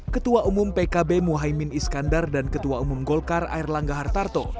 ketua umum pkb muhaimin iskandar dan ketua umum golkar airlangga hartarto